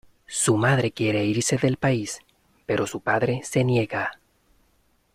Su madre quiere irse del país; pero su padre se niega.